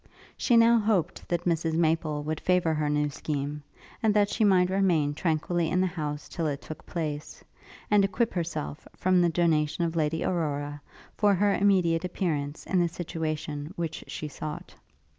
She now hoped that Mrs Maple would favour her new scheme, and that she might remain tranquilly in the house till it took place; and equip herself, from the donation of Lady Aurora, for her immediate appearance in the situation which she sought.